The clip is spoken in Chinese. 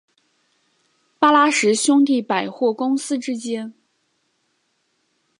巴拉什兄弟百货公司之间。